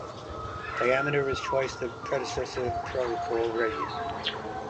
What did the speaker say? Diameter is just twice the predecessor protocol Radius.